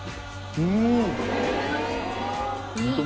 うん！